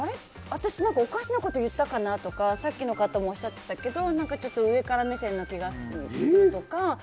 私おかしなこと言ったかなとかさっきの方もおっしゃってたけど上から目線な気がするとか。